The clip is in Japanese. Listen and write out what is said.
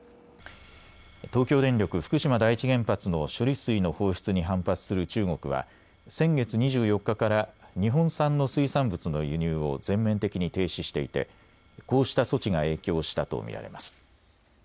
東京電力福島第一原発の処理水の放出に反発する中国は先月２４日から日本産の水産物の輸入を全面的に停止していてこうした措置が影響したと見られます。